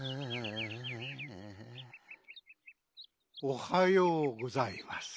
おはようございます。